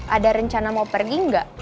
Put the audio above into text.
ada rencana mau pergi nggak